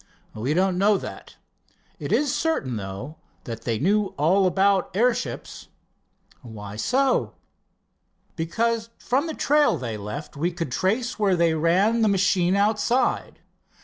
"We don't know that. It is certain, though, that they knew all about airships." "Why so?" "Because from the trail they left we could trace where they ran the machine outside.